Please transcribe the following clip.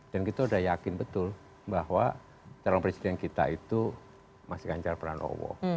dan kita udah yakin betul bahwa calon presiden kita itu masih ganjar peran allah